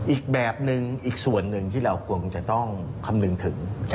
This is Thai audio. อีกแบบหนึ่งอีกส่วนหนึ่งที่เราควรจะต้องคำนึงถึง